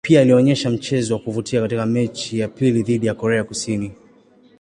Pia alionyesha mchezo wa kuvutia katika mechi ya pili dhidi ya Korea Kusini.